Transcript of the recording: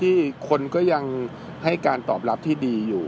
คนก็ยังให้การตอบรับที่ดีอยู่